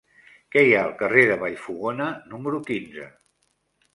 Què hi ha al carrer de Vallfogona número quinze?